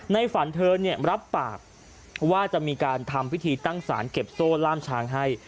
ฝันเธอรับปากว่าจะมีการทำพิธีตั้งสารเก็บโซ่ล่ามช้างให้